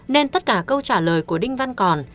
nên tất cả câu trả lời của đinh văn còn